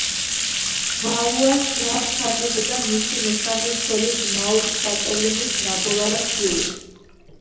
ვალუას გრაფ შარლისა და მისი მესამე ცოლის, მაუტ შატილონის ნაბოლარა შვილი.